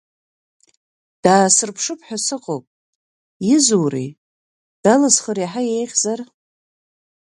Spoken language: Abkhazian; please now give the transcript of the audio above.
Даасырԥшып ҳәа сыҟоуп, изури, далысхыр иаҳа иеиӷьзар…